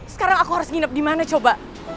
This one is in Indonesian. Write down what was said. sekarang aku harus nginep dimana coba